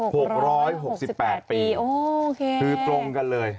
๖๖๘ปีคือตรงกันเลย